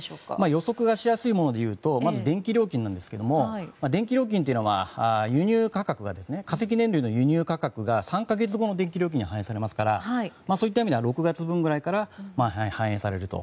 予測がしやすいものでいうと電気料金なんですけれども電気料金というのは化石燃料の輸入価格が３か月後の電気料金に反映されますからそういった意味では６月分ぐらいから反映されると。